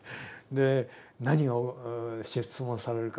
で何を質問されるかと。